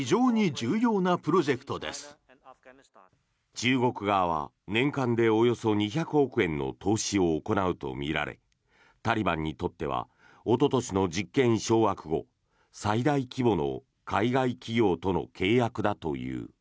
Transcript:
中国側は年間でおよそ２００億円の投資を行うとみられタリバンにとってはおととしの実権掌握後最大規模の海外企業との契約だという。